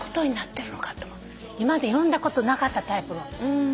今まで読んだことなかったタイプの。